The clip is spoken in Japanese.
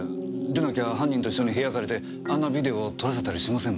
でなきゃ犯人と一緒に部屋借りてあんなビデオを撮らせたりしませんもんね。